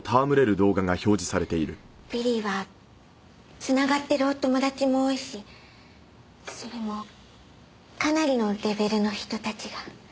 ビリーは繋がってるお友達も多いしそれもかなりのレベルの人たちが。